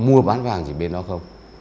có mua bán vàng chỉ bên đó không